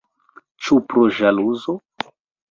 Ĉu pro ĵaluzo?